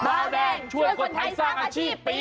เบาแดงช่วยคนไทยสร้างอาชีพปี๒